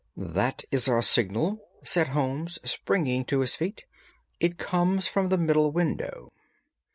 "That is our signal," said Holmes, springing to his feet; "it comes from the middle window."